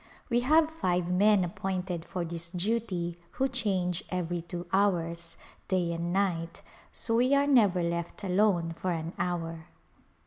We have five men appointed for this duty who change every two hours, day and night, so we are never left alone for an hour.